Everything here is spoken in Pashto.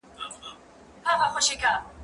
زه ليک نه لولم،